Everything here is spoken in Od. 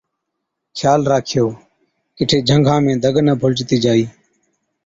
’خيال راکيو، ڪِٺي جھنگا ۾ دگ نہ ڀُلجتِي جائِي‘۔